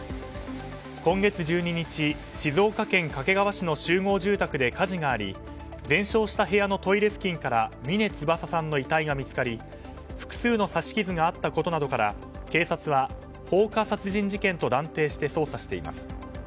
今月１２日、静岡県掛川市の集合住宅で火事があり全焼した部屋のトイレ付近から峰翼さんの遺体が見つかり複数の刺し傷があったことなどから警察は放火殺人事件と断定して捜査しています。